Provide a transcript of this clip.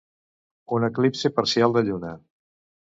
Un eclipsi parcial de Lluna.